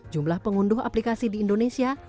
jumlah pengunduh aplikasi di indonesia